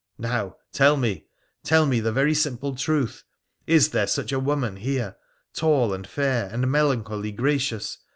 Now, tell me— tell me the very simple truth — is there such a woman here, tall and fair, and melancholy gracious